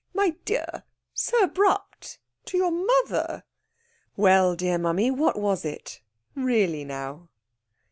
"My dear! So abrupt! To your mother!" "Well, dear mammy, what was it, really now?"